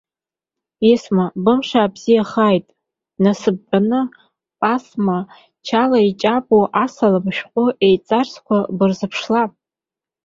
Есма, бымш аабзиахааит, нас бтәаны, пасма чала иҷабу асалам шәҟәы еицарсақәа бырзыԥшла.